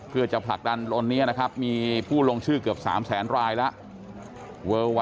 เพื่อจะผลักดันวันนี้นะครับมีผู้ลงชื่อเกือบ๓แสนรายแล้ว